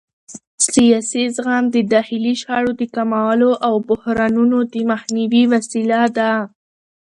سیاسي زغم د داخلي شخړو د کمولو او بحرانونو د مخنیوي وسیله ده